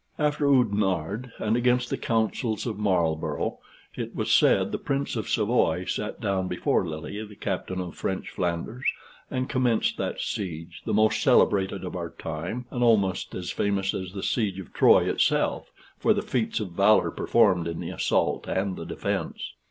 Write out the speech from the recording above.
After Oudenarde, and against the counsels of Marlborough, it was said, the Prince of Savoy sat down before Lille, the capital of French Flanders, and commenced that siege, the most celebrated of our time, and almost as famous as the siege of Troy itself, for the feats of valor performed in the assault and the defence.